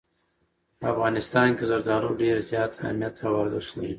په افغانستان کې زردالو ډېر زیات اهمیت او ارزښت لري.